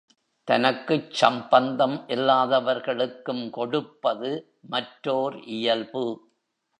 தனக்குச் சம்பந்தம் இல்லாதவர்களுக்கும் கொடுப்பது மற்றோர் இயல்பு.